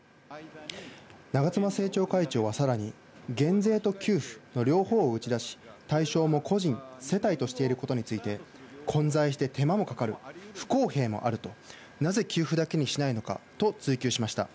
長妻政調会長はさらに、減税と給付の両方を打ち出し、対象も個人、世帯としていることについて、混在して手間もかかる、不公平もあると、なぜ給付だけにしないのかと追及しました。